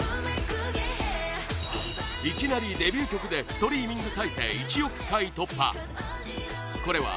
いきなりデビュー曲でストリーミング再生１億回突破